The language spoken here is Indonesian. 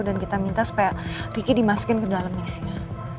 dan kita minta supaya riky dimasukin ke dalam listnya